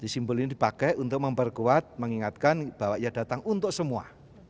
simbol ini dipakai untuk memperkuat mengingatkan bahwa ia datang untuk semua